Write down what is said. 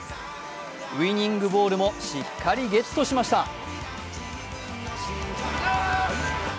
ウイニングボールもしっかりゲットしました。